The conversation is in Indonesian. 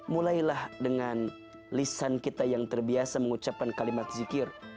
mulailah dengan lisan kita yang terbiasa mengucapkan kalimat zikir